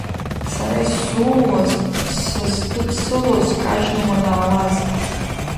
Сара исзууаз сыздыԥсылоз кажьны уанаауаз!